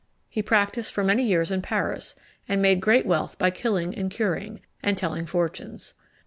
He practised for many years in Paris, and made great wealth by killing and curing, and telling fortunes.